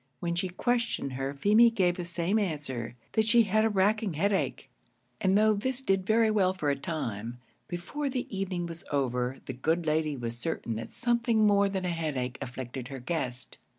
When she questioned her, Feemy gave the same answer that she had a racking headache; and though this did very well for a time, before the evening was over, the good lady was certain that something more than a headache afflicted her guest.